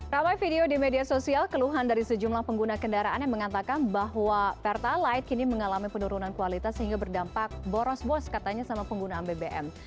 ramai video di media sosial keluhan dari sejumlah pengguna kendaraan yang mengatakan bahwa pertalite kini mengalami penurunan kualitas sehingga berdampak boros bos katanya sama penggunaan bbm